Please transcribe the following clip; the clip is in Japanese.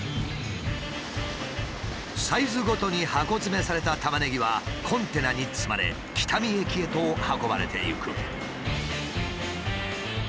サイズごとに箱詰めされたタマネギはコンテナに積まれ北見駅へと運ばれていく。